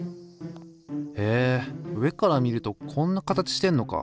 へえ上から見るとこんな形してんのか。